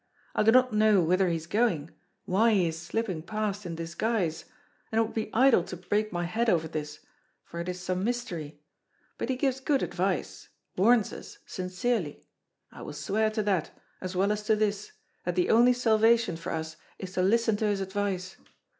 I do not know whither he is going, why he is slipping past in disguise; and it would be idle to break my head over this, for it is some mystery. But he gives good advice, warns us sincerely: I will swear to that, as well as to this, that the only salvation for us is to listen to his advice.